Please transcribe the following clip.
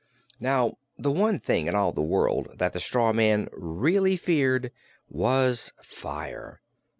Now the one thing in all the world that the straw man really feared was fire.